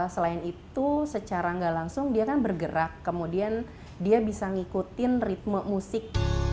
selain itu secara nggak langsung dia kan bergerak kemudian dia bisa ngikutin ritme musik